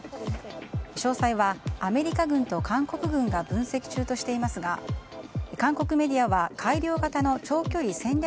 詳細はアメリカ軍と韓国軍が分析中としていますが韓国メディアは改良型の長距離戦略